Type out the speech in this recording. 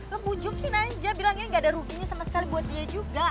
lo pujukin aja bilang ini gak ada ruginya sama sekali buat dia juga